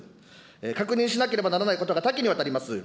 確認しなければならないことが多岐にわたります。